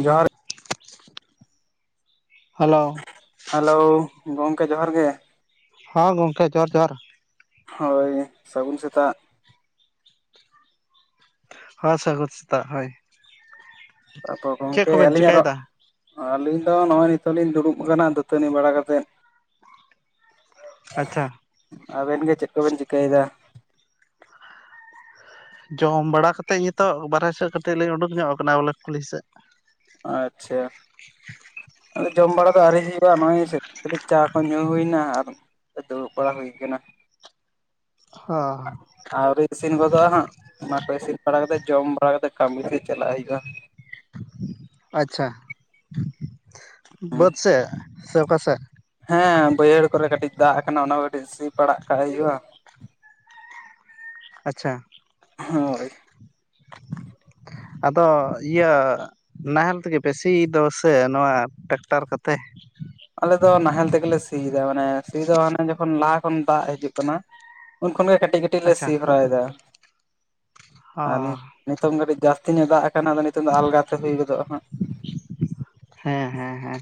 ᱡᱚᱦᱟᱨ hello hello ᱜᱚᱝᱠᱮ ᱡᱚᱦᱟᱨ ᱜᱮ ᱦᱚᱸ ᱜᱚᱝᱠᱮ ᱡᱚᱦᱟᱨ ᱡᱚᱦᱟᱨ ᱦᱳᱭ ᱥᱟᱹᱜᱩᱱ ᱥᱮᱛᱟᱜ ᱦᱳ ᱥᱟᱹᱜᱩᱱ ᱥᱮᱛᱟᱜ ᱦᱳᱭ ᱟᱫᱚ ᱪᱮᱫ ᱜᱚᱝᱠᱮ ᱠᱚᱵᱮᱱ ᱟᱹᱞᱤᱧᱟ ᱨᱚ ᱪᱤᱠᱟᱹᱭᱮᱫᱟ ᱟᱹᱞᱤᱧ ᱫᱚ ᱱᱚᱜᱼᱚᱭ ᱱᱤᱛᱚᱜ ᱞᱤᱧ ᱫᱩᱲᱩᱵ ᱟᱠᱟᱱᱟ ᱫᱟᱹᱛᱟᱹᱱᱤ ᱵᱟᱲᱟ ᱠᱟᱛᱮᱫ ᱟᱪᱪᱷᱟ ᱟᱵᱮᱱ ᱜᱮ ᱪᱮᱫ ᱠᱚᱵᱮᱱ ᱪᱤᱠᱟᱹᱭᱮᱫᱟ ᱡᱚᱢ ᱵᱟᱲᱟ ᱠᱟᱛᱮᱡ ᱧᱤᱛᱚᱜ ᱵᱟᱨᱦᱮ ᱥᱮᱫ ᱠᱟᱹᱴᱤᱡ ᱞᱤᱧ ᱩᱰᱩᱠ ᱧᱚᱜ ᱟᱠᱟᱱᱟ ᱵᱚᱞᱮ ᱠᱩᱞᱦᱤ ᱥᱮᱫ ᱟᱪᱪᱷᱟ ᱟᱫᱚ ᱡᱚᱢ ᱵᱟᱲᱟ ᱫᱚ ᱟᱹᱣᱨᱤ ᱦᱩᱭᱩᱜ-ᱟ ᱱᱚᱜᱼᱚᱭ ᱠᱟᱹᱴᱤᱡ ᱪᱟ ᱠᱚ ᱧᱩ ᱦᱩᱭᱱᱟ ᱟᱨ ᱫᱩᱲᱩᱵ ᱵᱟᱲᱟ ᱦᱩᱭ ᱟᱠᱟᱱᱟ ᱦᱚ ᱟᱹᱣᱨᱤ ᱤᱥᱤᱱ ᱜᱚᱫᱚᱜᱼᱟ ᱦᱟᱸᱜ ᱚᱱᱟ ᱠᱚ ᱤᱥᱤᱱ ᱵᱟᱲᱟ ᱠᱟᱛᱮ ᱡᱚᱢ ᱵᱟᱲᱟ ᱠᱟᱛᱮ ᱠᱟᱹᱢᱤ ᱥᱮᱡ ᱪᱟᱞᱟᱜ ᱦᱩᱭᱩᱜᱼᱟ ᱟᱪᱪᱷᱟ ᱵᱟᱹᱫᱽ ᱥᱮ ᱥᱮ ᱚᱠᱟ ᱥᱮᱫ ᱦᱮᱸ ᱵᱟᱹᱭᱦᱟᱹᱲ ᱠᱚᱨᱮ ᱠᱟᱹᱴᱤᱡ ᱫᱟᱜ ᱟᱠᱟᱱᱟ ᱚᱱᱟ ᱠᱚ ᱠᱟᱹᱴᱤᱡ ᱥᱤ ᱯᱟᱲᱟᱜ ᱠᱟᱜ ᱦᱩᱭᱩᱜ-ᱟ ᱟᱪᱪᱷᱟ ᱦᱳᱭ [inaudible] ᱟᱫᱚ ᱤᱭᱟᱹ ᱱᱟᱦᱮᱞ ᱛᱮᱜᱮ ᱯᱮ ᱥᱤ ᱫᱚ ᱥᱟᱹ ᱱᱚᱣᱟ ᱴᱨᱟᱠᱴᱟᱨ ᱠᱚᱛᱮ? ᱟᱞᱮ ᱫᱚ ᱱᱟᱦᱮᱞ ᱛᱮᱜᱮᱞᱮ ᱥᱤᱭ ᱫᱚ ᱢᱟᱱᱮ ᱥᱤ ᱫᱚ ᱦᱟᱱᱮ ᱡᱚᱠᱷᱚᱱ ᱞᱟᱦᱟ ᱠᱷᱚᱱ ᱫᱟᱜ ᱦᱤᱡᱩᱜ ᱠᱟᱱᱟ ᱩᱱ ᱠᱷᱚᱱᱜᱮ ᱠᱟᱹᱴᱤᱡ ᱠᱟᱹᱴᱤᱡ ᱞᱮ ᱟᱪᱪᱷᱟ ᱥᱤ ᱦᱚᱨᱟᱭ ᱫᱟ ᱚ ᱟᱨ ᱱᱤᱛᱚᱝ ᱠᱟᱹᱴᱤᱡ ᱡᱟᱹᱥᱛᱤ ᱛᱤᱧᱚᱜ ᱫᱟᱜ ᱟᱠᱟᱱᱟ ᱟᱫᱚ ᱱᱤᱛᱚ ᱫᱚ ᱟᱞᱜᱟᱛᱮ ᱦᱩᱭ ᱜᱚᱫᱚᱜ-ᱟ ᱦᱟᱸᱜ ᱦᱮᱸ ᱦᱮᱸ ᱦᱮᱸ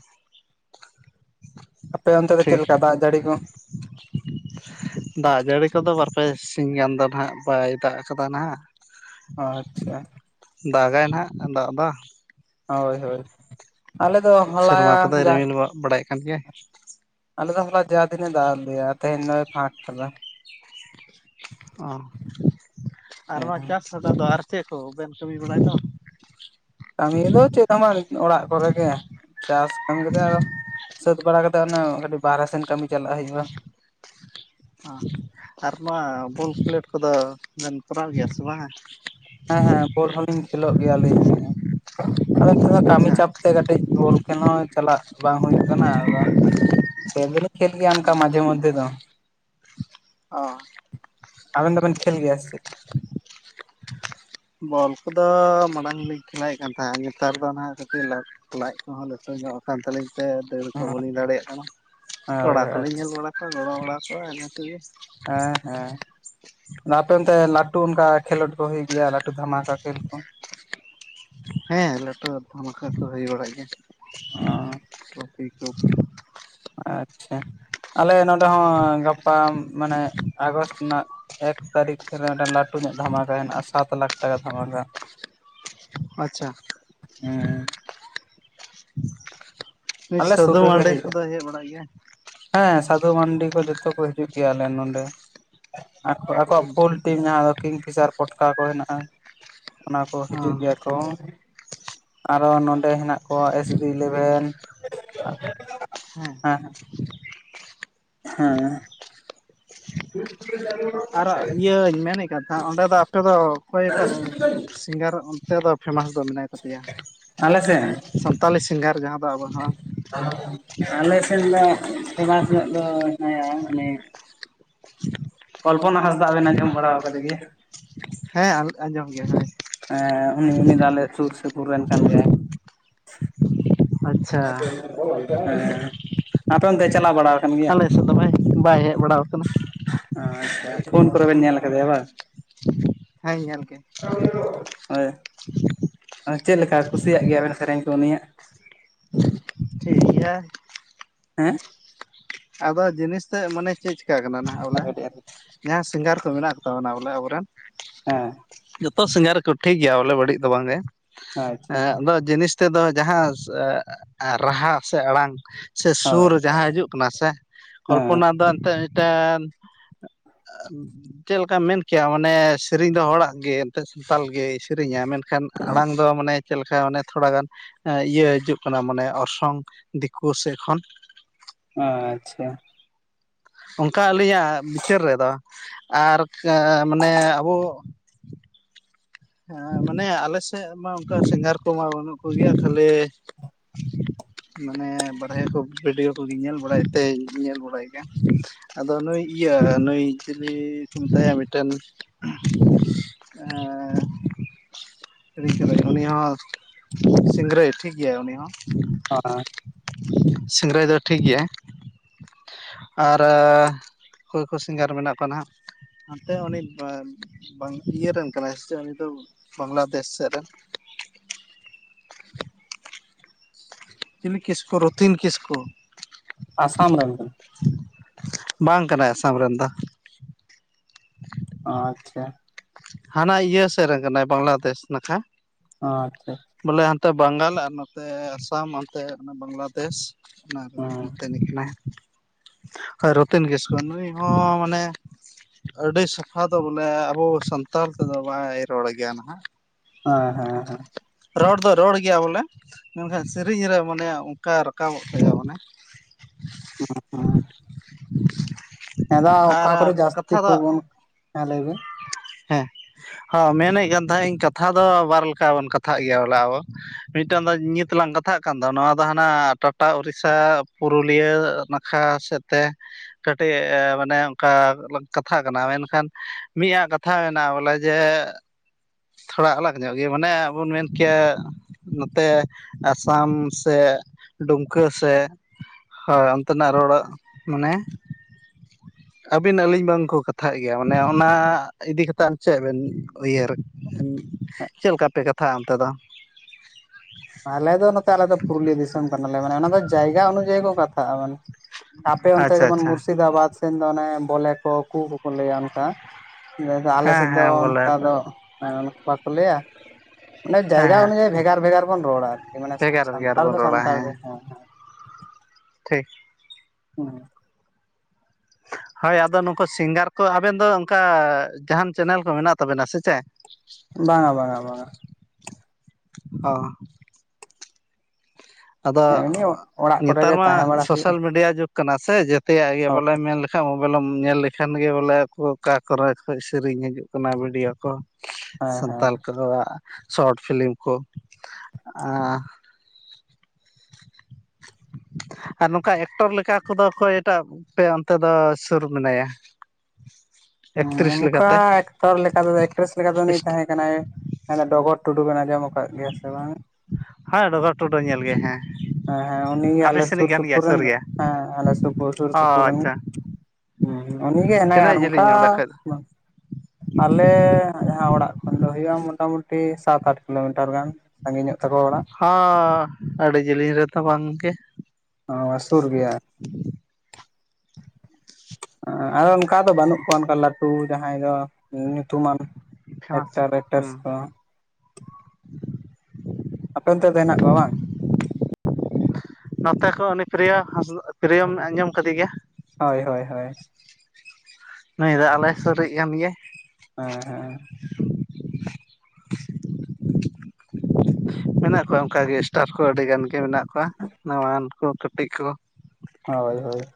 ᱟᱯᱮ ᱚᱱᱛᱮ ᱫᱚ ᱪᱮᱫ ᱴᱷᱤᱠ ᱞᱮᱠᱟ ᱫᱟᱜ ᱡᱟᱹᱲᱤ ᱠᱚ? ᱫᱟᱜ ᱡᱟᱹᱲᱤ ᱠᱚᱫᱚ ᱵᱟᱨᱼᱯᱮ ᱥᱤᱧ ᱜᱟᱱ ᱫᱚ ᱱᱟᱦᱟᱜ ᱵᱟᱭ ᱫᱟᱜ ᱠᱟᱫᱟ ᱱᱟᱦᱟᱜ ᱟᱪᱪᱷᱟ ᱫᱟᱜᱟᱭ ᱱᱟᱦᱟᱜ ᱫᱟᱜ ᱫᱚ ᱦᱳᱭ ᱦᱳᱭ ᱟᱞᱮ ᱫᱚ ᱦᱚᱞᱟ ᱥᱮᱨᱢᱟ ᱠᱚᱫᱚᱭ ᱡᱟᱜ ᱨᱤᱢᱤᱞ ᱵᱟᱲᱟᱭᱮᱫ ᱠᱟᱱ ᱜᱮᱭᱟᱭ ᱟᱞᱮ ᱫᱚ ᱦᱞᱟ ᱡᱟ ᱫᱤᱱ ᱮ ᱫᱟᱜ-ᱟᱜ ᱞᱮᱭᱟ ᱛᱤᱦᱮᱧ ᱫᱚᱭ ᱯᱷᱟᱸᱠ ᱠᱟᱫᱟ ᱚ ᱟᱨ ᱚᱣᱟ ᱦᱩᱸ ᱪᱟᱥ [unintelligible] ᱠᱚ ᱫᱚ ᱟᱫᱚ ᱟᱨ ᱪᱮᱫ ᱠᱚ ᱵᱮᱱ ᱠᱟᱹᱢᱤ ᱵᱟᱲᱟᱭ ᱫᱚ ᱠᱟᱹᱢᱤ ᱫᱚ ᱪᱮᱫ ᱦᱚᱸ ᱵᱟᱝ ᱚᱲᱟᱜ ᱠᱚᱨᱮ ᱜᱮ ᱪᱟᱥ ᱠᱟᱹᱢᱤ ᱠᱚᱛᱮ ᱟ ᱥᱟᱹᱛ ᱵᱟᱲᱟ ᱠᱟᱛᱮ ᱚᱱᱮ ᱠᱟᱹᱴᱤᱡ ᱵᱟᱦᱨᱮ ᱥᱮᱱ ᱠᱟᱹᱢᱤ ᱪᱟᱞᱟᱜ ᱦᱩᱭᱩᱜᱼᱟ ᱟᱨ ᱱᱚᱣᱟ ᱵᱚᱞ ᱠᱷᱮᱞᱳᱰ ᱠᱚᱫᱚ ᱵᱮᱱ ᱠᱚᱨᱟᱣ ᱜᱮᱭᱟ ᱥᱮ ᱵᱟᱝ-ᱟ ᱦᱮᱸ ᱦᱮᱸ ᱵᱳᱞ ᱦᱚᱸᱞᱤᱧ ᱠᱷᱮᱞᱳᱜ ᱜᱮᱭᱟᱞᱤᱧ ᱟᱫᱚ ᱱᱤᱛᱚᱜ ᱫᱚ ᱠᱟᱢᱤ ᱟᱪᱪᱷᱟ ᱪᱟᱯ ᱛᱮ ᱠᱟᱹᱴᱤᱡ ᱵᱚᱞ ᱠᱷᱮᱞ ᱦᱚᱸ ᱪᱟᱞᱟᱜ ᱵᱟᱝ ᱦᱩᱭᱩᱜ ᱠᱟᱱᱟ ᱟᱫᱚ ᱠᱷᱮᱞ ᱫᱚ ᱞᱤᱧ ᱠᱷᱮᱞ ᱜᱮ ᱚᱱᱠᱟ ᱢᱟᱡᱷᱮ ᱢᱚᱫᱫᱮ ᱫᱚ ᱚ ᱟᱵᱮᱱ ᱫᱚ ᱵᱮᱱ ᱠᱷᱮᱞ ᱜᱮᱭᱟ ᱥᱮ ᱪᱮᱫ? ᱵᱚᱞ ᱠᱩᱫᱚ ᱢᱟᱲᱟᱝᱞᱤᱧ ᱠᱷᱮᱞᱟᱭᱮᱫ ᱠᱟᱱ ᱛᱟᱦᱮᱸᱱᱟ ᱱᱮᱛᱟᱨ ᱫᱚ ᱱᱟᱦᱟᱜ ᱠᱟᱹᱴᱤᱡ ᱞᱟ ᱞᱟᱡ ᱠᱚᱦᱚᱸ ᱞᱟᱴᱩ ᱧᱚᱜ ᱠᱟᱱ ᱛᱟᱹᱞᱤᱧ ᱛᱮ ᱫᱟᱹᱲ ᱠᱚ ᱵᱟᱹᱞᱤᱧ ᱫᱟᱲᱮᱭᱟᱜ ᱠᱟᱱᱟ ᱦᱳᱭ ᱠᱚᱲᱟ ᱠᱚᱞᱤᱧ ᱟᱪᱪᱷᱟ ᱧᱮᱞ ᱵᱟᱲᱟ ᱠᱚᱣᱟ ᱜᱚᱲᱚ ᱵᱟᱲᱟ ᱠᱚᱣᱟ ᱚᱱᱟ ᱛᱮᱜᱮ ᱮᱸ ᱦᱮᱸ ᱟᱯᱮ ᱚᱱᱛᱮ ᱞᱟᱹᱴᱩ ᱚᱝᱠᱟ ᱠᱷᱮᱞᱳᱰ ᱠᱚ ᱦᱩᱭᱩᱜ ᱜᱮᱭᱟ ᱞᱟᱹᱴᱩ ᱫᱷᱟᱢᱟᱠᱟ ᱠᱷᱮᱞ ᱠᱚ? ᱦᱮᱸ ᱞᱟᱹᱴᱩ ᱫᱷᱟᱢᱟᱠᱟ ᱠᱚ ᱦᱩᱭ ᱵᱟᱲᱟᱜ ᱚ ᱜᱮᱭᱟ [unintelligible] ᱟᱪᱪᱷᱟ ᱟᱞᱮ ᱱᱚᱸᱰᱮ ᱦᱚᱸ ᱜᱟᱯᱟ ᱢᱟᱱᱮ ᱟᱜᱚᱥᱴ ᱱᱟᱜ ᱮᱠ ᱛᱟᱹᱨᱤᱠᱷ ᱨᱮ ᱢᱤᱫᱴᱟᱝ ᱞᱟᱹᱴᱩ ᱧᱚᱜ ᱫᱷᱟᱢᱟᱠᱟ ᱦᱮᱱᱟᱜᱼᱟ ᱥᱟᱛ ᱞᱟᱠᱷ ᱴᱟᱠᱟ ᱫᱷᱟᱢᱟᱠᱟ ᱟᱪᱪᱷᱟ ᱦᱩᱸ ᱱᱩᱭ ᱟᱞᱮ ᱥᱩᱨ ᱥᱟᱫᱩ ᱨᱮᱜᱮ ᱢᱟᱨᱰᱤ ᱦᱩᱭᱩᱜᱼᱟ ᱠᱚᱫᱚ ᱦᱮᱡ ᱵᱟᱲᱟᱜ ᱜᱮᱭᱟ? ᱦᱮᱸ ᱥᱟᱫᱷᱩ ᱢᱟᱱᱰᱤ ᱠᱚ ᱡᱚᱛᱚ ᱠᱚ ᱦᱤᱡᱩᱜ ᱜᱮᱭᱟ ᱟᱞᱮ ᱱᱚᱰᱮ ᱟᱠ ᱟᱠᱚᱣᱟᱜ ᱯᱷᱩᱞ ᱴᱤᱢ ᱡᱟᱦᱟᱸ ᱫᱚ ᱠᱤᱝ ᱯᱷᱤᱥᱟᱨ ᱯᱚᱴᱠᱟ ᱠᱚ ᱦᱮᱱᱟᱜᱼᱟ ᱚᱱᱟ ᱠᱚ ᱚ ᱦᱤᱡᱩᱜ ᱜᱮᱭᱟ ᱟᱨᱚ ᱱᱚᱸᱰᱮ ᱦᱮᱱᱟᱜ ᱠᱚᱣᱟ ᱮᱥ ᱵᱤ ᱤᱞᱮᱵᱷᱮᱱ ᱦᱮᱸ ᱦᱮᱸ ᱦᱮᱸ [unintelligible] ᱟᱨ ᱤᱭᱟᱹᱧ ᱢᱮᱱᱮᱫ ᱠᱟᱱ ᱛᱟᱦᱮᱱᱟ ᱚᱸᱰᱮ ᱫᱚ ᱟᱯᱮᱫᱚ ᱚᱠᱚᱭᱴᱟᱜ ᱥᱤᱝᱜᱟᱨ ᱚᱱᱛᱮ ᱫᱚ ᱯᱷᱮᱢᱟᱥ ᱫᱚ ᱢᱮᱱᱟᱭ ᱛᱟᱯᱮᱭᱟ ᱟᱞᱮ ᱥᱮᱱ ᱥᱟᱱᱛᱟᱞᱤ ᱥᱤᱝᱜᱟᱨ ᱡᱟᱦᱟᱸ ᱫᱚ ᱟᱵᱚ ᱱᱚᱣᱟ ᱟᱞᱮ ᱥᱮᱫ ᱫᱚ ᱯᱷᱮᱢᱟᱥ ᱧᱚᱜ ᱫᱚ ᱦᱮᱱᱟᱭᱟ ᱢᱟᱱᱮ ᱠᱚᱞᱯᱚᱱᱟ ᱦᱟᱸᱥᱫᱟ ᱵᱮᱱ ᱟᱸᱡᱚᱢ ᱵᱟᱲᱟᱣ ᱟᱠᱟᱫᱮ ᱜᱮᱭᱟ ᱦᱮᱸ ᱟᱸᱡᱚᱢ ᱜᱮᱭᱟ ᱦᱳᱭ ᱦᱮᱸ ᱩᱱᱤ ᱩᱱᱤ ᱫᱚ ᱟᱞᱮ ᱥᱩᱨ ᱥᱩᱯᱩᱨ ᱨᱮᱱ ᱠᱟᱱ ᱜᱮᱭᱟᱭ ᱟᱪᱪᱷᱟ ᱟᱯᱮ ᱚᱱᱛᱮ ᱪᱟᱞᱟᱣ ᱵᱟᱲᱟ ᱟᱠᱟᱱ ᱜᱮᱭᱟ? ᱟᱞᱮ ᱥᱮᱫ ᱫᱚ ᱵᱟᱭ ᱵᱟᱭ ᱦᱮᱡ ᱵᱟᱲᱟᱣ ᱟᱠᱟᱱᱟ ᱟᱪᱪᱷᱟ ᱯᱷᱳᱱ ᱠᱚᱨᱮ ᱵᱮᱱ ᱧᱮᱞ ᱠᱟᱫᱮᱭᱟ ᱵᱟᱝ? ᱦᱮᱸ ᱧᱮᱞ ᱠᱮ ᱦᱳᱭ ᱟ ᱪᱮᱜ ᱞᱮᱠᱟ ᱠᱩᱥᱤᱭᱟᱜ ᱜᱮᱭᱟ ᱟᱵᱮᱱ ᱥᱮᱨᱮᱧ ᱠᱚ ᱩᱱᱤᱭᱟᱜ? ᱴᱷᱤᱜ ᱜᱮᱭᱟ ᱦᱮᱸ ᱟᱫᱚ ᱡᱤᱱᱤᱥ ᱛᱮᱜ ᱢᱟᱱᱮ ᱪᱮᱫ ᱪᱮᱠᱟᱜ ᱠᱟᱱᱟ ᱱᱟᱜ ᱟᱨ ᱵᱚᱞᱮ ᱠᱟᱹᱴᱤᱡ ᱟᱨ ᱦᱮᱸ ᱡᱟᱦᱟᱸᱭ ᱥᱤᱝᱜᱟᱨ ᱠᱚ ᱢᱮᱱᱟᱜ ᱠᱚ ᱛᱟᱵᱚᱱᱟ ᱵᱚᱞᱮ ᱟᱵᱚᱨᱮᱱ, ᱦᱮᱸ ᱡᱚᱛᱚ ᱥᱤᱸᱜᱟᱨ ᱠᱚ ᱴᱷᱤᱠ ᱜᱮᱭᱟ ᱵᱚᱞᱮ ᱵᱟᱹᱲᱤᱡ ᱫᱚ ᱵᱟᱝ ᱜᱮ ᱮ ᱟᱪᱪᱷᱟ ᱟᱫᱚ ᱡᱤᱱᱤᱥ ᱛᱮᱫᱚ ᱡᱟᱦᱟᱸ ᱨᱟᱦᱟ ᱥᱮ ᱟᱲᱟᱝ ᱥᱮ ᱥᱩᱨ ᱦᱳᱭ ᱡᱟᱦᱟᱸ ᱦᱤᱡᱩᱜ ᱠᱟᱱᱟ ᱥᱮ ᱦᱮᱸ ᱠᱚᱞᱯᱚᱱᱟ ᱫᱚ ᱮᱱᱛᱮᱫ ᱢᱤᱫᱴᱮᱱ ᱪᱮ ᱞᱮᱠᱟᱢ ᱢᱮᱱ ᱠᱮᱭᱟ ᱢᱟᱱᱮ ᱥᱨᱮᱤᱧ ᱫᱚ ᱦᱚᱲᱟᱜ ᱜᱮ ᱮᱱᱛᱮᱫ ᱥᱟᱱᱛᱟᱞ ᱜᱮᱭ ᱥᱮᱨᱤᱧᱟ ᱢᱮᱱ ᱠᱷᱟᱱ ᱟᱲᱟᱝ ᱫᱚ ᱢᱟᱱᱮ ᱪᱮᱫ ᱞᱮᱠᱟ ᱚᱱᱮ ᱛᱷᱚᱲᱟ ᱜᱟᱱ ᱤᱭᱟᱹ ᱦᱤᱡᱩᱜ ᱠᱟᱱᱟ ᱢᱟᱱᱮ ᱚᱨᱥᱚᱝ ᱫᱤᱠᱩ ᱥᱮᱫ ᱠᱷᱚᱱ, ᱟᱪᱪᱷᱟ ᱚᱱᱠᱟ ᱟᱹᱞᱤᱧᱟᱜ ᱵᱤᱪᱟᱹᱨ ᱨᱮᱫᱚ ᱟᱨ ᱠᱟ ᱢᱟᱱᱮ ᱟᱵᱚ ᱦᱮᱸ ᱢᱟᱱᱮ ᱟᱞᱮ ᱥᱮᱫ ᱢᱟ ᱚᱱᱠᱟ ᱥᱤᱝᱜᱟᱨ ᱠᱚᱢᱟ ᱵᱟᱹᱱᱩᱜ ᱠᱚᱜᱮᱭᱟ ᱛᱟᱦᱞᱮ [inaudible] ᱢᱟᱱᱮ ᱵᱟᱲᱟᱭᱠᱚ ᱵᱷᱤᱰᱭᱳ ᱠᱚᱜᱮᱧ ᱧᱮᱞ ᱵᱟᱲᱟᱭ ᱛᱮᱧ ᱧᱮᱞ ᱵᱟᱲᱟᱭ ᱜᱮᱟ, ᱟᱫᱚ ᱱᱩᱭ ᱤᱭᱟᱹ ᱱᱩᱭ ᱪᱤᱞᱤ ᱠᱚ ᱢᱮᱛᱟᱭᱟ ᱢᱤᱫᱴᱮᱱ [inaudible] ᱦᱤᱲᱤᱧ ᱠᱤᱫᱟᱹᱧ ᱩᱱᱤ ᱦᱚᱸ ᱥᱤᱝᱨᱟᱹᱭ ᱴᱷᱤᱠ ᱜᱮᱭᱟᱭ ᱩᱱᱤ ᱦᱚᱸ, [unintelligible] ᱥᱤᱝᱜᱽᱨᱟᱹᱭ ᱫᱚ ᱴᱷᱤᱠ ᱜᱮᱭᱟᱭ ᱟᱨ ᱚᱠᱚᱭ ᱠᱚ ᱥᱤᱝᱜᱟᱨ ᱢᱮᱱᱟᱜ ᱠᱚᱣᱟ ᱱᱷᱟᱸᱜ, ᱦᱟᱱᱛᱮ ᱩᱱᱤ ᱵᱟᱸᱝ ᱤᱭᱟᱹᱨᱮᱱ ᱠᱟᱱᱟᱭ ᱥᱮᱪᱮᱫ ᱩᱱᱤ ᱫᱚ ᱵᱟᱝᱞᱟᱫᱮᱥ ᱥᱮᱫ ᱨᱮᱱ᱾ ᱪᱤᱞᱤ ᱠᱤᱥᱠᱩ ᱨᱚᱛᱷᱤᱱ ᱠᱤᱥᱠᱩ᱾ ᱟᱥᱟᱢ ᱨᱮᱱ ᱠᱟᱱᱟᱭ᱾ ᱵᱟᱝ ᱠᱟᱱᱟᱭ ᱟᱥᱟᱢ ᱨᱮᱱ ᱫᱚ᱾ ᱟᱪᱪᱷᱟ ᱦᱟᱱᱟ ᱤᱭᱟᱹ ᱥᱮᱫ ᱨᱮᱱ ᱠᱟᱱᱟᱭ ᱵᱟᱝᱞᱟᱫᱮᱥ ᱱᱟᱠᱷᱟ᱾ ᱟᱪᱪᱷᱟ ᱵᱚᱞᱮ ᱦᱟᱱᱛᱮ ᱵᱟᱝᱜᱟᱞ ᱟᱨ ᱱᱚᱛᱮ ᱟᱥᱟᱢ ᱚᱱᱛᱮ ᱭᱩᱜ ᱠᱟᱱᱟ ᱵᱟᱝᱞᱟᱫᱮᱥ ᱚᱱᱟ ᱠᱚ ᱦᱮᱸ ᱚᱱᱛᱮᱱᱤᱡ ᱠᱟᱱᱟᱭ᱾ ᱦᱳᱭ ᱨᱚᱛᱷᱤᱱ ᱠᱤᱥᱠᱩ ᱱᱩᱭ ᱦᱚᱸ ᱢᱟᱱᱮ ᱟᱹᱰᱤ ᱥᱟᱯᱷᱟ ᱫᱚ ᱵᱚᱞᱮ ᱟᱵᱚ ᱥᱟᱱᱛᱟᱞ ᱛᱮᱫᱚ ᱵᱟᱭ ᱨᱚᱲ ᱜᱮᱭᱟ ᱱᱟᱦᱜ᱾ ᱦᱮᱸ ᱦᱮᱸ ᱦᱮᱸ ᱨᱚᱲ ᱫᱚᱭ ᱨᱚᱲ ᱜᱮᱭᱟ ᱵᱚᱞᱮ, ᱢᱮᱱᱠᱷᱟᱡ ᱥᱮᱨᱤᱧ ᱨᱮ ᱢᱟᱱᱮ ᱚᱱᱠᱟ ᱨᱟᱠᱟᱵᱚᱜ ᱛᱟᱭᱟ ᱢᱟᱱᱮ, [unintelligible] [inaudible] ᱦᱮᱸᱫᱚ ᱚᱠᱟ ᱠᱚᱨᱮ ᱟᱨ ᱡᱟᱹᱥᱛᱤ ᱠᱟᱛᱷᱟ ᱫᱚ ᱯᱚᱵᱚᱱ, ᱦᱮᱸ ᱞᱟᱹᱭᱵᱤᱱ᱾ ᱦᱮᱸ ᱦᱳ ᱢᱮᱱᱮᱜ ᱠᱟᱱ ᱛᱟᱦᱮᱜ ᱤᱧ ᱠᱟᱛᱷᱟ ᱫᱚ ᱵᱟᱨ ᱞᱮᱠᱟ ᱵᱚᱱ ᱠᱟᱛᱷᱟᱜ ᱜᱮᱭᱟ ᱵᱚᱞᱮ ᱟᱵᱚ᱾ ᱢᱤᱫᱴᱟᱝ ᱫᱚ ᱧᱤᱛᱞᱟᱝ ᱠᱟᱛᱷᱟᱜ ᱠᱟᱱ ᱫᱚ ᱱᱚᱣᱟ ᱫᱚ ᱦᱟᱱᱟ ᱴᱟᱴᱟ ᱩᱲᱤᱥᱥᱟ ᱯᱩᱨᱩᱞᱤᱭᱟᱹ, ᱠᱟ ᱥᱮᱫ ᱛᱮ ᱠᱟᱹᱴᱤᱡ ᱢᱟᱱᱮ ᱚᱱᱠᱟ ᱞᱟᱝ ᱠᱟᱛᱷᱟᱜ ᱠᱟᱱᱟ ᱢᱮᱱᱠᱷᱟᱱ ᱢᱤᱜ ᱟᱜ ᱠᱟᱛᱷᱟ ᱢᱮᱱᱟᱜᱼᱟ ᱵᱚᱞᱮ ᱡᱮ ᱛᱷᱚᱲᱟ ᱟᱞᱟᱜ ᱧᱚᱜ ᱜᱮ ᱢᱟᱱᱮ ᱟᱵᱚ ᱵᱚᱱ ᱢᱮᱱ ᱠᱮᱭᱟ, ᱱᱚᱛᱮ ᱟᱥᱟᱢ ᱥᱮ ᱰᱩᱢᱠᱟᱹ ᱥᱮᱜ ᱦᱳᱭ ᱚᱱᱛᱮᱱᱟᱜ ᱨᱚᱲᱚ ᱢᱟᱱᱮ [inaudible] ᱟᱹᱵᱤᱱ ᱟᱹᱞᱤᱧ ᱵᱟᱝᱠᱚ ᱠᱟᱛᱷᱟᱜ ᱜᱮᱭᱟ ᱢᱟᱱᱮ ᱚᱱᱟ ᱤᱫᱤ ᱠᱟᱛᱮᱫ ᱪᱮᱫ ᱵᱮᱱ ᱩᱭᱦᱟᱹᱨ ᱪᱮᱫ ᱞᱮᱠᱟ ᱯᱮ ᱠᱟᱛᱷᱟᱜᱼᱟ ᱚᱱᱛᱮ ᱫᱚ? ᱟᱞᱮ ᱫᱚ ᱱᱚᱛᱮ ᱟᱞᱮ ᱫᱚ ᱯᱩᱨᱩᱞᱤᱭᱟᱹ ᱫᱤᱥᱚᱢ ᱠᱟᱱᱟᱞᱮ ᱢᱟᱱᱮ ᱚᱱᱟ ᱫᱚ ᱡᱟᱭᱜᱟ ᱚᱱᱩᱡᱟᱭᱤ ᱠᱚ ᱠᱟᱛᱷᱟᱜᱼᱟ ᱢᱟᱱᱮ᱾ ᱟᱯᱮ ᱚᱱᱛᱮ ᱟᱪᱪᱷᱟ ᱡᱮᱢᱚᱱ ᱟᱪᱪᱷᱟ ᱢᱩᱨᱥᱤᱫᱟᱵᱟᱫᱽ ᱥᱮᱱ ᱫᱚ ᱚᱱᱮ ᱵᱚᱞᱮ ᱠᱚ ᱠᱩ ᱠᱚᱠᱚ ᱞᱟᱹᱭᱼᱟ ᱚᱱᱠᱟ ᱟᱞᱮ ᱦᱮᱸ ᱥᱮᱫ ᱫᱚ ᱦᱮᱸ ᱵᱚᱞᱮ ᱚᱱᱠᱟ ᱫᱚ ᱵᱟ ᱠᱚ ᱞᱟᱹᱭᱼᱟ ᱢᱟᱱᱮ ᱦᱮᱸ ᱡᱟᱭᱜᱟ ᱦᱮᱸ ᱚᱱᱩ ᱡᱟᱭᱤ ᱵᱷᱮᱜᱟᱨ ᱵᱷᱮᱜᱟᱨ ᱵᱚᱱ ᱨᱚᱲᱟ ᱟᱨ ᱠᱤ ᱢᱟᱱᱮ ᱵᱷᱮᱜᱟᱨ ᱵᱷᱮᱜᱟᱨ ᱥᱟᱱᱛᱟᱲ ᱵᱚᱱ ᱫᱚ ᱨᱚᱲᱟ ᱥᱟᱱᱛᱟᱲ ᱜᱮ ᱦᱮᱸ ᱦᱮᱸ ᱴᱷᱤᱠ [unintelligible] ᱦᱳᱭ ᱟᱫᱚ ᱱᱩᱠᱩ ᱥᱤᱝᱜᱟᱨ ᱠᱚ ᱟᱵᱮᱱ ᱫᱚ ᱚᱱᱠᱟ ᱡᱟᱦᱟᱱ ᱪᱮᱱᱮᱞ ᱠᱚ ᱢᱮᱱᱟᱜ ᱛᱟᱵᱮ ᱱᱟ ᱥᱮ ᱪᱮᱫ ᱵᱟᱝᱼᱟ ᱵᱟᱝᱼᱟ ᱵᱟᱝᱼᱟ ᱚ ᱟᱫᱚ ᱮᱢᱱᱤ ᱚᱲᱟᱜ ᱠᱚᱨᱮ ᱱᱮᱛᱟᱨ ᱜᱮ ᱢᱟ ᱛᱟᱦᱮᱸ ᱵᱟᱲᱟ ᱦᱩᱭᱩᱜᱼᱟ ᱥᱳᱥᱟᱞ ᱢᱤᱰᱤᱭᱟ ᱡᱩᱜᱽ ᱠᱟᱱᱟ ᱥᱮ ᱡᱚᱛᱮᱭ ᱟᱜ ᱜᱮ ᱵᱚᱞᱮ ᱢᱮᱱ [unintelligible] [unintelligible] ᱢᱳᱵᱟᱭᱤᱞ ᱮᱢ ᱧᱮᱞ ᱞᱮᱠᱷᱟᱱ ᱜᱮ ᱵᱚᱞᱮ ᱟᱠᱚ ᱚᱠᱟ ᱠᱚᱨᱮ ᱠᱷᱚᱱ ᱥᱮᱨᱮᱧ ᱦᱤᱡᱩᱜ ᱠᱟᱱᱟ ᱵᱷᱤᱰᱭᱳ ᱠᱚ ᱦᱮᱸ ᱦᱮᱸ ᱥᱟᱱᱛᱟᱞ ᱠᱚᱫᱚᱣ ᱟᱜ ᱥᱚᱨᱚᱴ ᱯᱷᱤᱞᱤᱢ ᱠᱚ [inaudible] ᱟᱨ ᱱᱚᱝᱠᱟ ᱮᱠᱴᱚᱨ ᱞᱮᱠᱟ ᱠᱚᱫᱚ ᱚᱠᱚᱭ ᱴᱟᱜ ᱟᱯᱮ ᱚᱱᱛᱮ ᱫᱚ ᱥᱩᱨ ᱢᱮᱱᱟᱭᱼᱟ ᱚᱱᱠᱟ ᱮᱠᱴᱚᱨ ᱞᱮᱠᱟ ᱫᱚ ᱮᱠᱴᱨᱮᱥ ᱞᱮᱠᱟ ᱫᱚ ᱩᱱᱤ ᱛᱟᱦᱮᱸ ᱠᱟᱱᱟᱭ ᱰᱚᱜᱚᱨ ᱴᱩᱰᱩ ᱵᱮᱱ ᱟᱸᱡᱚᱢ ᱟᱠᱟᱫ ᱜᱮᱭᱟ ᱥᱮ ᱵᱟᱝ ᱦᱮᱸ ᱰᱚᱜᱚᱨ ᱴᱩᱰᱩ ᱧᱮᱞ ᱜᱮ ᱦᱮᱸ ᱦᱮᱸ ᱦᱮᱸ ᱩᱱᱤ ᱜᱮ ᱟᱯᱮ ᱟᱞᱮ ᱥᱩᱨ ᱥᱮᱱᱤᱡ ᱠᱟᱱ ᱜᱮᱭᱟᱭ ᱥᱩᱯᱩᱨ ᱨᱮᱱ ᱥᱩᱨ ᱫᱚ ᱜᱮᱭᱟ ᱦᱮᱸ ᱟᱞᱮ ᱥᱩᱯᱩᱨ ᱥᱩᱨ ᱚ ᱥᱩᱯᱩᱨ ᱨᱮᱱ ᱦᱩᱸ ᱟᱪᱪᱷᱟ ᱦᱩᱸ ᱩᱱᱤ ᱜᱮ ᱦᱮᱱᱟᱭᱟ ᱟᱨ ᱛᱤᱱᱟᱹᱜ ᱚᱱᱠᱟ ᱡᱮᱞᱤᱧ ᱚᱸᱰᱮ ᱠᱷᱚᱡ ᱫᱚ ᱟᱞᱮ ᱡᱟᱦᱟ ᱚᱲᱟᱜ ᱠᱷᱚᱱ ᱫᱚ ᱦᱩᱭᱩᱜᱼᱟ ᱢᱚᱴᱟ ᱢᱩᱴᱤ ᱥᱟᱛ ᱟᱴ ᱠᱤᱞᱳᱢᱤᱴᱟᱨ ᱜᱟᱱ ᱥᱟᱸᱜᱤᱧ ᱚᱜ ᱛᱟᱠᱚᱣᱟ ᱚᱲᱟᱜ ᱦᱚ ᱟᱹᱰᱤ ᱡᱤᱞᱤᱧ ᱨᱮ ᱫᱚ ᱵᱟᱝ ᱜᱮ ᱚ ᱥᱩᱨ ᱜᱮᱭᱟ ᱟᱨ ᱚᱱᱠᱟ ᱫᱚ ᱵᱟᱹᱱᱩᱜ ᱠᱚᱣᱟ ᱚᱱᱠᱟ ᱞᱟᱹᱴᱩ ᱡᱟᱦᱟᱸᱭ ᱫᱚ ᱧᱩᱛᱩ ᱢᱟᱱ ᱯᱷᱮᱢᱟᱥ ᱮᱠᱴᱚᱨ ᱦᱮᱸ ᱮᱠᱴᱨᱮᱥ ᱠᱚ ᱟᱯᱮ ᱚᱱᱛᱮ ᱫᱚ ᱦᱮᱱᱟᱜ ᱠᱚᱣᱟ ᱵᱟᱝ ᱱᱚᱛᱮ ᱠᱷᱚᱱ ᱩᱱᱤ ᱯᱨᱤᱭᱚ ᱦᱟᱸᱥ ᱯᱨᱤᱭᱚᱢ ᱟᱸᱡᱚᱢ ᱠᱟᱫᱮ ᱜᱮᱭᱟ ᱦᱳᱭ ᱦᱳᱭ ᱦᱳᱭ ᱱᱩᱭ ᱫᱚ ᱟᱞᱮ ᱥᱩᱹᱨ ᱤᱡ ᱠᱟᱱ ᱜᱮᱭᱟᱭ ᱦᱮᱸ ᱦᱮᱸ ᱢᱮᱱᱟᱜ ᱠᱚᱣᱟ ᱚᱱᱠᱟ ᱜᱮ ᱮᱥᱴᱟᱨ ᱠᱚ ᱟᱹᱰᱤ ᱜᱟᱱ ᱜᱮ ᱢᱮᱱᱟᱜ [unintelligible] ᱱᱟᱣᱟᱱ ᱠᱚ ᱠᱟᱹᱴᱤᱡ ᱠᱚ ᱦᱳᱭ ᱦᱳᱭ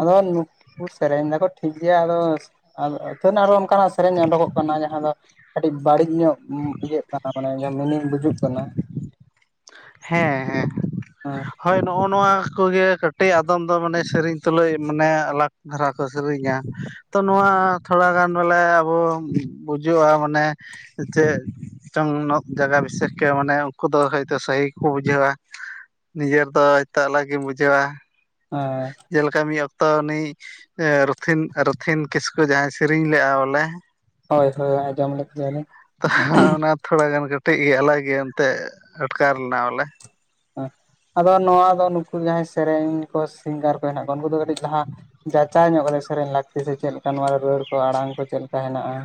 ᱟᱫᱚ ᱱᱩᱠᱩ ᱥᱮᱨᱮᱧ ᱫᱟᱠᱚ ᱴᱷᱤᱠ ᱜᱮᱭᱟ ᱟᱫᱚ ᱟᱫᱚ ᱟᱛᱷᱟᱹᱱ ᱚᱱᱠᱟ ᱱᱟᱜ ᱥᱮᱨᱮᱧ ᱩᱰᱩᱠ ᱚᱜ ᱠᱟᱱᱟ ᱡᱟᱸᱦᱟ ᱫᱚ ᱠᱟᱹᱴᱤᱡ ᱵᱟᱹᱲᱤᱡ ᱧᱚᱜ ᱤᱭᱟᱹ ᱜᱮ ᱠᱟᱱᱟ ᱢᱟᱱᱮ ᱢᱤᱱᱤᱝ ᱵᱩᱡᱩᱜ ᱠᱟᱱᱟ ᱦᱮᱸ ᱦᱮᱸ ᱦᱮᱸ ᱦᱳᱭ ᱱᱚᱜᱼᱚ ᱱᱚᱣᱟ ᱠᱚᱜᱮ ᱠᱟᱹᱴᱤᱡ ᱟᱫᱚᱢ ᱫᱚ ᱢᱟᱱᱮ ᱥᱮᱨᱮᱧ ᱛᱩᱞᱩᱡ ᱢᱟᱱᱮ ᱟᱞᱟᱠ ᱫᱷᱟᱨᱟ ᱠᱚ ᱥᱮᱨᱮᱧᱟ ᱛᱚ ᱱᱚᱣᱟ ᱛᱷᱚᱲ ᱜᱟᱱ ᱵᱚᱞᱮ ᱟᱵᱚ ᱵᱩᱡᱩᱜᱼᱟ ᱢᱟᱱᱮ ᱪᱮᱫ ᱪᱚᱝ ᱡᱟᱭᱜᱟ ᱵᱤᱥᱮᱥ ᱠᱮ ᱢᱟᱱᱮ ᱩᱱᱠᱩ ᱫᱚ ᱦᱳᱭ ᱛᱚ ᱥᱟᱦᱤ ᱠᱚ ᱵᱩᱡᱷᱟᱹᱣᱟ ᱱᱤᱡᱮ ᱛᱚ ᱦᱳᱭ ᱛᱚ ᱟᱞᱟᱠ ᱜᱮᱢ ᱵᱩᱡᱷᱟᱹᱣᱟ [unintelligible] ᱠᱟᱹᱢᱤ ᱚᱠᱛᱚ ᱟᱱᱤᱡ ᱨᱚᱛᱷᱤᱱ ᱨᱚᱛᱷᱤᱱ ᱠᱤᱥᱠᱩ ᱡᱟᱦᱟᱸᱭ ᱥᱮᱨᱮᱧ ᱞᱮᱜᱼᱟ ᱵᱚᱞᱮ ᱦᱳᱭ ᱦᱳᱭ ᱟᱡᱚᱢ ᱞᱮᱫ ᱜᱮᱭᱟ ᱞᱮ ᱛᱚ ᱚᱱᱟ ᱛᱷᱚᱲᱟ ᱜᱟᱱ ᱠᱟᱹᱴᱤᱡ ᱜᱮ ᱟᱞᱟᱜ ᱜᱮᱭᱟ ᱮᱱᱛᱮᱫ ᱟᱴᱠᱟᱨ ᱞᱮᱱᱟ ᱵᱚᱞᱮ ᱟᱫᱚ ᱱᱚᱣᱟ ᱫᱚ ᱱᱩᱠᱩ ᱡᱟᱦᱟᱸᱭ ᱥᱮᱨᱮᱧ ᱠᱚ ᱥᱤᱝᱜᱟᱨ ᱠᱚ ᱦᱮᱱᱟᱜ ᱠᱚᱣᱟ ᱩᱱᱠᱩ ᱫᱚ ᱠᱟᱹᱴᱤᱡ ᱞᱟᱦᱟ ᱡᱟᱪᱟᱭ ᱧᱚᱜ ᱠᱟᱛᱮ ᱥᱮᱨᱮᱧ ᱞᱟᱹᱠᱛᱤ ᱥᱮ ᱪᱮᱫ ᱞᱮᱠᱟ ᱱᱚᱣᱟ ᱨᱮ ᱨᱟᱹᱲ ᱠᱚ ᱟᱲᱟᱝ ᱠᱚ ᱪᱮᱫ ᱞᱮᱠᱟ ᱦᱮᱱᱟᱜᱼᱟ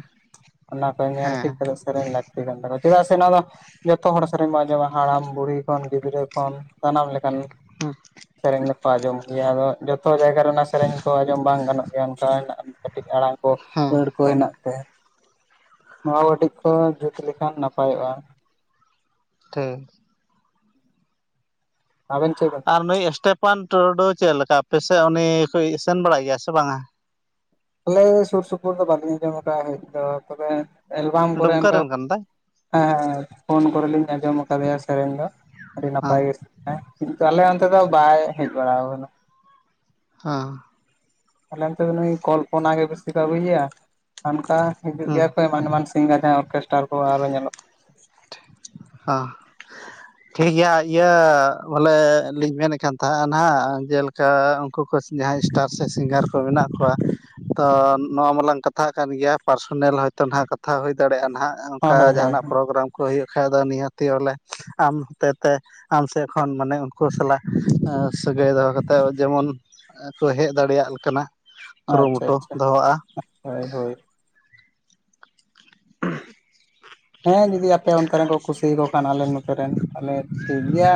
ᱚᱱᱟ ᱠᱚ ᱧᱮᱞ ᱴᱷᱤᱠ ᱦᱮᱸ ᱠᱟᱛᱮᱫ ᱥᱮᱨᱮᱧ ᱞᱟᱹᱠᱛᱤ ᱠᱟᱱ ᱛᱟᱠᱚᱣᱟ ᱪᱮᱫᱟᱜ ᱥᱮ ᱱᱚᱣᱟ ᱫᱚ ᱡᱚᱛᱚ ᱦᱚᱲ ᱥᱮᱨᱮᱧ ᱵᱚᱱ ᱟᱸᱡᱚᱢᱟ ᱦᱟᱲᱟᱢ ᱵᱩᱲᱦᱤ ᱠᱷᱚᱱ ᱜᱤᱫᱽᱨᱟᱹ ᱠᱷᱚᱱ ᱥᱟᱱᱟᱢ ᱞᱮᱠᱟᱱ ᱦᱩᱸ ᱥᱮᱨᱮᱧ ᱫᱚᱠᱚ ᱟᱸᱡᱚᱢ ᱜᱮᱭᱟ ᱟᱫᱚ ᱡᱚᱛᱚ ᱡᱟᱭᱜᱟ ᱨᱮᱱᱟᱜ ᱚᱱᱟ ᱥᱮᱨᱮᱧ ᱠᱚ ᱟᱸᱡᱚᱢ ᱵᱟᱝ ᱜᱟᱱᱚᱜᱼᱟ [unintelligible] ᱦᱮᱱᱟᱜ ᱠᱟᱹᱴᱤᱡ ᱟᱲᱟᱝ ᱠᱚ ᱦᱮᱸ ᱟᱹᱲ ᱠᱚ ᱦᱮᱱᱟᱜ ᱼᱼᱱᱚᱣᱟ ᱠᱚ ᱠᱟᱹᱴᱤᱡ ᱠᱚ ᱡᱩᱛ ᱞᱮᱠᱷᱟᱱ ᱱᱟᱯᱟᱭᱚᱜᱼᱟ ᱴᱷᱤᱠ ᱟᱵᱮᱱ ᱪᱮᱫ [unintelligible] ᱵᱮᱱ ᱟᱨ ᱱᱩᱭ ᱥᱴᱮᱯᱷᱟᱱ ᱴᱩᱰᱩ ᱪᱮᱫ ᱞᱮᱠᱟᱯᱮᱥᱮᱫ ᱩᱱᱤ ᱠᱚ ᱥᱮᱱ ᱵᱟᱲᱟᱭ ᱜᱮᱭᱟ ᱥᱮ ᱵᱟᱝᱟ ᱟᱞᱮ ᱥᱩᱨ ᱥᱩᱯᱩᱨ ᱫᱚ ᱵᱟᱹᱞᱤᱧ ᱟᱸᱡᱚᱢ ᱟᱠᱟᱫᱼᱟ ᱦᱳᱭ ᱛᱚ ᱛᱚᱵᱮ ᱮᱞᱵᱟᱢ ᱠᱚᱨᱮ ᱫᱩᱢᱠᱟ ᱚᱱᱠᱟ ᱨᱮᱱ ᱠᱟᱱ ᱛᱟᱭ ᱦᱮᱸ ᱦᱮᱸ ᱯᱷᱳᱱ ᱠᱚᱨᱮ ᱞᱤᱧ ᱟᱸᱡᱚᱢ ᱟᱠᱟᱫᱮᱭᱟ ᱥᱮᱨᱮᱧ ᱫᱚ ᱟᱹᱰᱤ ᱦᱮᱸ ᱱᱟᱯᱟᱭ ᱜᱮ ᱦᱮᱸ ᱠᱤᱱᱛᱩ ᱟᱞᱮ ᱚᱱᱛᱮ ᱫᱚ ᱵᱟᱭ ᱦᱮᱡ ᱵᱟᱲᱟ ᱟᱠᱟᱱᱟ ᱦᱮᱸ ᱟᱞᱮ ᱱᱚᱛᱮ ᱫᱚ ᱱᱩᱭ ᱠᱚᱞᱯᱚᱱᱟ ᱜᱮ ᱵᱮᱥᱤ ᱠᱚ ᱟᱹᱜᱩᱭᱮᱭᱟ ᱚᱱᱠᱟ ᱦᱤᱡᱩᱜ ᱦᱮᱸ ᱜᱮᱭᱟ ᱠᱚ [unintelligible] ᱚᱨᱠᱮᱥᱴᱟᱨ ᱠᱚ ᱟᱨᱚ ᱧᱮᱞᱚᱜᱼᱟ ᱦᱟᱸ [inaudible] ᱴᱷᱤᱠ ᱜᱮᱭᱟ ᱤᱭᱟᱹ ᱵᱚᱞᱮ ᱞᱤᱧ ᱢᱮᱱᱮᱫ ᱠᱟᱱ ᱛᱟᱦᱮᱱᱟ ᱱᱟᱦᱟᱸᱜ ᱡᱮᱞᱮᱠᱟ ᱩᱱᱠᱩ ᱠᱚ ᱡᱟᱦᱟᱸᱭ ᱥᱴᱟᱨ ᱥᱮ ᱥᱤᱝᱜᱟᱨ ᱠᱚ ᱢᱮᱱᱟᱜ ᱠᱚᱣᱟ ᱛᱚ ᱱᱚᱣᱟ ᱢᱟᱞᱟᱝ ᱠᱟᱛᱷᱟ ᱠᱟᱱ ᱜᱮᱭᱟ ᱯᱟᱨᱥᱳᱱᱟᱞ ᱦᱚᱭᱛᱳ ᱱᱟᱦᱟᱸᱜ ᱠᱟᱛᱷᱟ ᱦᱩᱭ ᱫᱟᱲᱮᱭᱟᱜᱼᱟ ᱱᱟᱦᱟᱸᱜ ᱦᱳᱭ ᱚᱱᱠᱟ ᱦᱳᱭ ᱡᱟᱦᱟᱱᱟᱜ ᱯᱨᱳᱜᱨᱟᱢ ᱠᱚ ᱦᱩᱭᱩᱜ ᱠᱷᱟᱡ ᱫᱚ ᱱᱤᱦᱟᱹᱛᱤᱞᱮ ᱟᱢ ᱦᱚᱛᱮᱛᱮ ᱟᱢ ᱥᱮᱫ ᱠᱷᱚᱱ ᱢᱟᱱᱮ ᱩᱱᱠᱩ ᱥᱟᱞᱟᱜ ᱥᱟᱹᱜᱟᱹᱭ ᱫᱚᱦᱚ ᱠᱟᱛᱮᱫ ᱡᱮᱢᱚᱱ ᱠᱚ ᱦᱮᱡ ᱫᱟᱲᱮᱭᱟᱜ ᱠᱟᱱᱟ ᱟᱪᱪᱷᱟ ᱟᱪᱪᱷᱟ ᱦᱳᱭ ᱦᱳᱭ ᱦᱮᱸ ᱡᱩᱫᱤ ᱟᱯᱮ ᱚᱱᱛᱮ ᱨᱮᱱ ᱠᱚ ᱠᱩᱥᱤᱭᱟᱠᱚ ᱠᱷᱟᱱ ᱟᱞᱮ ᱱᱚᱛᱮ ᱨᱮᱱ ᱛᱟᱦᱚᱞᱮ ᱴᱷᱤᱠ ᱜᱮᱭᱟ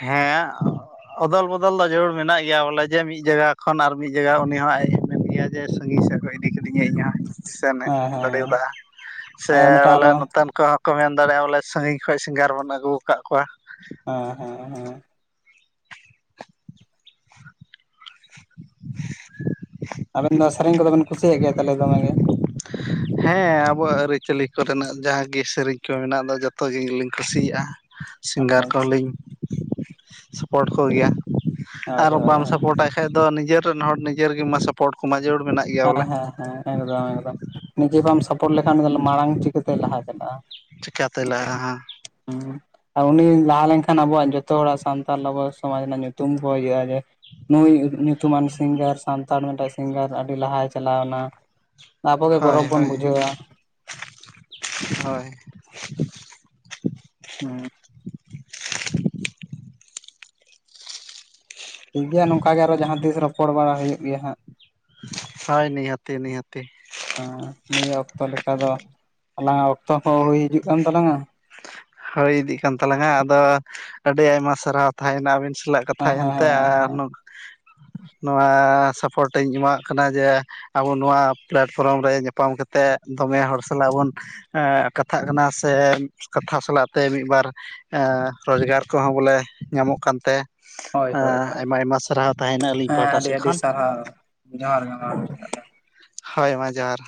ᱦᱮᱸ ᱚᱫᱚᱞ ᱵᱚᱫᱚᱞ ᱫᱚ ᱡᱟᱹᱨᱩᱲ ᱢᱮᱱᱟᱜ ᱜᱮᱭᱟ ᱵᱚᱞᱮ ᱡᱮ ᱢᱤᱫ ᱡᱟᱭᱜᱟ ᱠᱷᱚᱱ ᱟᱨ ᱢᱤᱫ ᱡᱟᱭᱜᱟ ᱩᱱᱤ ᱦᱚᱸ ᱟᱡ ᱮ ᱢᱮᱱ ᱜᱮᱭᱟ ᱡᱮ ᱥᱟᱺᱜᱤᱧ ᱥᱮ ᱠᱚ ᱤᱫᱤ ᱠᱤᱫᱤᱧᱟ ᱤᱧᱟᱹᱜ ᱦᱚᱸ ᱥᱮᱱ ᱦᱮᱡ ᱦᱮᱸ ᱦᱮᱸ ᱫᱟᱲᱮᱭᱟᱫᱟ ᱥᱮ ᱟᱭ ᱢᱤᱫᱴᱟᱝ ᱵᱚᱞᱮ ᱟᱨᱚ ᱱᱚᱛᱮᱱ ᱠᱚᱦᱚᱸ ᱠᱚ ᱢᱮᱱ ᱫᱟᱲᱮᱭᱟᱜᱼᱟ ᱵᱚᱞᱮ ᱥᱟᱺᱜᱤᱧ ᱠᱷᱚᱡ ᱥᱤᱝᱜᱟᱨ ᱵᱚᱱ ᱟᱹᱜᱩ ᱟᱠᱟᱫ ᱠᱚᱣᱟ ᱦᱮᱸ ᱦᱮᱸ ᱦᱮᱸ [inaudible] ᱟᱵᱮᱱ ᱫᱚ ᱥᱮᱨᱮᱧ ᱠᱚᱫᱚ ᱵᱮᱱ ᱠᱩᱥᱤᱭᱟᱜ ᱜᱮᱭᱟ ᱛᱟᱦᱚᱞᱮ ᱫᱚᱢᱮ ᱜᱤ ᱦᱮᱸ ᱟᱵᱚᱣᱟᱜ ᱟᱹᱨᱤᱪᱟᱹᱞᱤ ᱠᱚᱨᱮᱱᱟᱜ ᱡᱟᱦᱟᱸᱜᱮ ᱥᱮᱨᱮᱧ ᱠᱚ ᱢᱮᱱᱟᱜ ᱫᱚ ᱡᱚᱛᱚ ᱜᱮᱧ ᱜᱮᱞᱤᱧ ᱠᱩᱥᱤᱭᱟᱜᱼᱟ ᱟᱪᱪᱷᱟ ᱥᱤᱝᱜᱟᱨ ᱠᱚᱦᱚᱸᱞᱤᱧ ᱥᱟᱯᱳᱴ ᱠᱚᱜᱮᱭᱟ ᱟᱨ ᱦᱳᱭ ᱦᱳᱭ ᱵᱟᱢ ᱦᱳᱭ ᱥᱟᱯᱚᱨᱴᱟᱭ ᱠᱷᱟᱡ ᱫᱚ ᱱᱤᱡᱮᱨ ᱨᱮᱱ ᱦᱚᱲ ᱱᱤᱡᱮᱨ ᱜᱮᱢᱟ ᱥᱟᱯᱳᱨ ᱠᱚᱢᱟ ᱡᱟᱹᱨᱩᱲ ᱢᱮᱱᱟᱜ ᱜᱮᱭᱟ ᱵᱚᱞᱮ ᱦᱮᱸ ᱦᱮᱸ ᱦᱮᱸ ᱮᱠᱫᱚᱢ ᱮᱠᱫᱚᱢ ᱱᱤᱡᱮ ᱵᱟᱢ ᱥᱟᱯᱚᱴ ᱞᱮᱠᱷᱟᱱ ᱩᱱᱤ ᱫᱚ ᱢᱟᱲᱟᱝ ᱪᱤᱠᱟᱹᱛᱮᱭ ᱞᱟᱦᱟ ᱪᱟᱞᱟᱜᱼᱟ ᱪᱤᱠᱠᱟᱛᱮ ᱞᱟᱜᱼᱟ ᱦᱟᱸ ᱦᱮᱸ ᱟᱨ ᱩᱱᱤ ᱞᱟᱦᱟ ᱞᱮᱱᱠᱷᱟᱱ ᱟᱵᱚᱣᱟᱜ ᱡᱚᱛᱚ ᱦᱚᱲᱟᱜ ᱥᱟᱱᱛᱟᱲ ᱟᱵᱚ ᱥᱚᱢᱟᱡᱽ ᱨᱮᱱᱟᱜ ᱧᱩᱛᱩᱢ ᱧᱩᱛᱩᱢ ᱠᱚ ᱦᱤᱡᱩᱜᱼᱟ ᱡᱮ ᱱᱩᱭ ᱧᱩᱛᱩᱢᱟᱱ ᱥᱤᱝᱜᱟᱨ ᱥᱟᱱᱛᱟᱲ ᱢᱤᱫᱴᱟᱝ ᱥᱤᱝᱜᱟᱨ ᱟᱹᱰᱤ ᱞᱟᱦᱟᱭ ᱪᱟᱞᱟᱣ ᱮᱱᱟ ᱦᱳᱭ ᱦᱳᱭ ᱦᱳᱭ ᱦᱮᱸ ᱴᱷᱤᱠ ᱜᱮᱭᱟ ᱱᱚᱝᱠᱟ ᱜᱮ ᱟᱨᱚ ᱡᱟᱦᱟᱸ ᱛᱤᱥ ᱨᱚᱯᱚᱲ ᱵᱟᱲᱟ ᱦᱩᱭᱩᱜ ᱜᱮᱭᱟ ᱦᱟᱸᱜ ᱦᱟᱭ ᱱᱤᱦᱟᱹᱛᱤ ᱱᱤᱦᱟᱹᱛᱤ ᱱᱤᱭᱟᱹ ᱚᱠᱛᱚ ᱞᱮᱠᱟ ᱫᱚ ᱟᱞᱟᱝᱟᱜ ᱚᱠᱛᱚ ᱦᱚᱸ ᱦᱩᱭ ᱦᱤᱡᱩᱜ ᱠᱟᱱ ᱛᱟᱞᱟᱝᱟ ᱦᱚᱭ ᱤᱫᱤᱜ ᱠᱟᱱ ᱛᱟᱞᱟᱝᱟ ᱟᱫᱚ ᱟᱹᱰᱤ ᱟᱭᱢᱟ ᱥᱟᱨᱦᱟᱣ ᱛᱟᱦᱮᱭᱮᱱᱟ ᱟᱹᱵᱮᱱ ᱥᱟᱞᱟᱜ ᱦᱮᱸ ᱠᱟᱛᱷᱟᱭ ᱦᱮᱸ ᱮᱱᱛᱮ ᱟᱨ [inaudible] ᱱᱚᱣᱟ ᱥᱟᱯᱳᱨᱴ ᱤᱧ ᱮᱢᱟᱣᱟᱜ ᱠᱟᱱᱟ ᱡᱮ ᱟᱵᱚ ᱱᱚᱣᱟ ᱯᱞᱮᱴᱯᱷᱨᱚᱢ ᱨᱮ ᱧᱟᱯᱟᱢ ᱠᱟᱛᱮᱫ ᱫᱚᱢᱮ ᱦᱚᱲ ᱥᱟᱞᱟᱜ ᱵᱚᱱ ᱠᱟᱛᱷᱟᱜ ᱠᱟᱱᱟ ᱥᱮ ᱠᱟᱛᱷᱟ ᱥᱟᱞᱟᱜᱛᱮ ᱢᱤᱫ ᱵᱟᱨ ᱨᱳᱡᱽᱜᱟᱨ ᱠᱚᱦᱚᱸ ᱵᱚᱞᱮ ᱧᱟᱢᱚᱜ ᱠᱟᱱᱛᱮ ᱦᱳᱭ ᱦᱳᱭ ᱮᱸ ᱦᱳᱭ ᱟᱭᱢᱟ ᱟᱭᱢᱟ ᱥᱟᱨᱦᱟᱣ ᱛᱟᱦᱮᱱᱟ ᱟᱹᱞᱤᱧ ᱦᱮᱸ ᱯᱟᱦᱴᱟ ᱟᱹᱰᱤ ᱥᱮᱫ ᱟᱹᱰᱤ ᱠᱷᱚᱱ ᱾ ᱥᱟᱨᱦᱟᱣ ᱡᱚᱦᱟᱨ ᱜᱮ ᱢᱟ ᱦᱳᱭ ᱢᱟ ᱡᱚᱦᱟᱨ